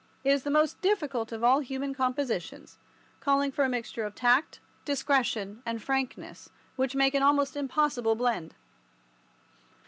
It is the most difficult of all human compositions, calling for a mixture of tact, discretion, and frankness which make an almost impossible blend.